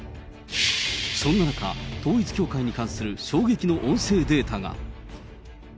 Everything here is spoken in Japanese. そんな中、統一教会に関する衝撃の音声データが。